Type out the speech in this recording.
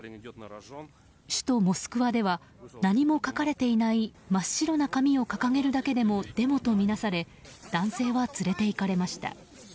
首都モスクワでは何も書かれていない真っ白な紙を掲げるだけでもデモとみなされ男性は連れていかれました。